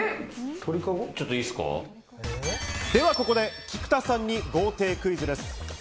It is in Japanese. ではここで菊田さんに豪邸クイズです。